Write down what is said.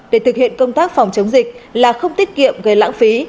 để thực hiện công tác phòng chống dịch là không tiết kiệm gây lãng phí